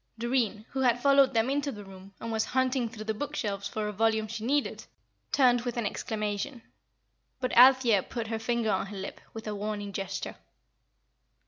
Doreen, who had followed them into the room, and was hunting through the book shelves for a volume she needed, turned with an exclamation. But Althea put her finger on her lip, with a warning gesture.